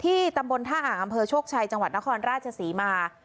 ตำบลท่าอ่างอำเภอโชคชัยจังหวัดนครราชศรีมา